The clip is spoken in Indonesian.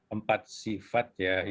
empat sifat ya